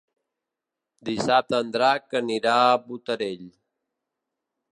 Dissabte en Drac anirà a Botarell.